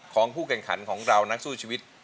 ของผู้แข่งขันของเรานักสู้ชีวิต